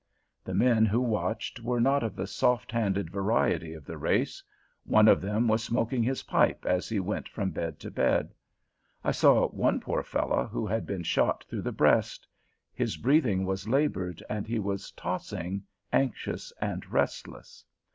The men who watched were not of the soft handed variety of the race. One of them was smoking his pipe as he went from bed to bed. I saw one poor fellow who had been shot through the breast; his breathing was labored, and he was tossing, anxious and restless.